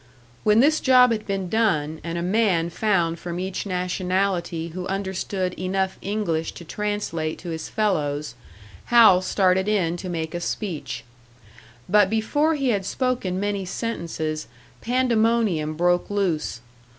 When this job had been done, and a man found from each nationality who understood enough English to translate to his fellows, Hal started in to make a speech. But before he had spoken many sentences, pandemonium broke loose.